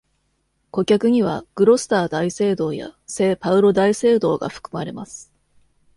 顧客にはグロスター大聖堂や聖パウロ大聖堂が含まれます。